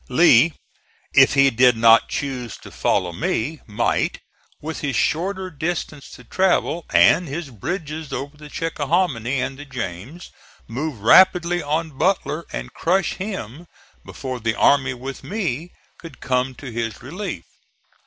Lee, if he did not choose to follow me, might, with his shorter distance to travel and his bridges over the Chickahominy and the James, move rapidly on Butler and crush him before the army with me could come to his relief.